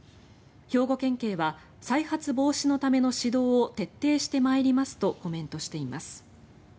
兵庫県警は再発防止のための指導を徹底してまいりますとコメントしています。